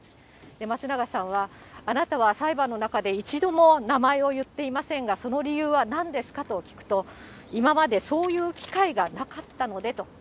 松永さんは、あなたは裁判の中で、一度も名前を言っていませんが、その理由はなんですかと聞くと、今までそういう機会がなかったのでと。